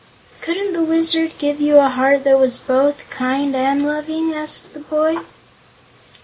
"Couldn't the Wizard give you a heart that was both Kind and Loving?" asked the boy.